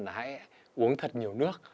là hãy uống thật nhiều nước